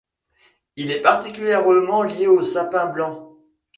Il est particulièrement lié au Sapin blanc.